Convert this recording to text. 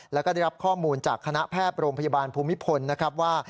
แล้วก็ได้รับข้อมูลจากคณะแพทย์โรงพยาบาลภูมิพลนะครับว่า